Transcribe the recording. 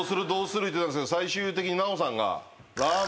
言ってたんですけど最終的に奈緒さんが。関西弁？